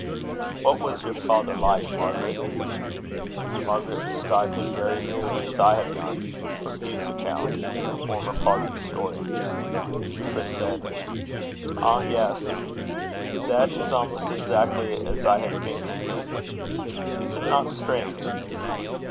"What was your father like, Margaret?" Margaret described him very nearly as I have done, from Hugh's account, in the former part of the story. Euphra said: "Ah! yes. That is almost exactly as I had fancied him. Is it not strange?"